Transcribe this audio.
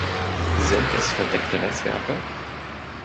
Sind es verdeckte Netzwerke?